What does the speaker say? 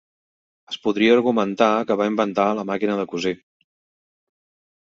Es podria argumentar que va inventar la màquina de cosir.